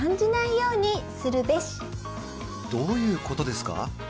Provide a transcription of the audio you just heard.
どういうことですか？